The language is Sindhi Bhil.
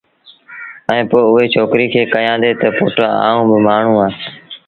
ائيٚݩ پو اُئي ڇوڪري کي ڪيآݩدي تا پُٽ آئوݩ اُ مآڻهوٚٚݩ اَهآݩ